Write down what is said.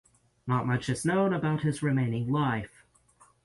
Not much is known about his remaining life.